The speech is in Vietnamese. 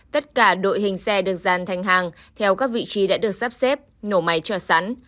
tất cả đội hình xe được gian thành hàng theo các vị trí đã được sắp xếp nổ máy trở sẵn